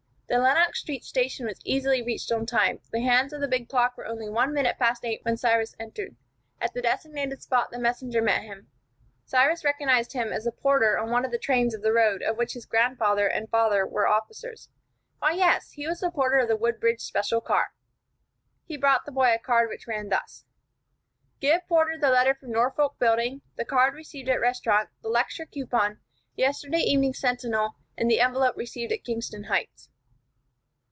The Lenox Street Station was easily reached on time. The hands of the big clock were only at one minute past eight when Cyrus entered. At the designated spot the messenger met him. Cyrus recognized him as the porter on one of the trains of the road of which his grandfather and father were officers. Why, yes, he was the porter of the Woodbridge special car! He brought the boy a card which ran thus: "Give porter the letter from Norfolk Building, the card received at restaurant, the lecture coupon, yesterday evening's Sentinel, and the envelope received at Kingston Heights."